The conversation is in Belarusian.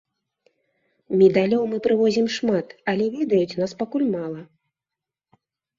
Медалёў мы прывозім шмат, але ведаюць нас пакуль мала.